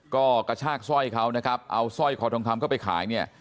ก็กระชากสร้อยเขานะครับเอาสร้อยคอทองคำเข้าไปขายเนี่ย